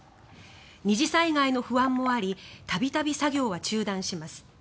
二次災害の不安もあり度々、作業は中断します。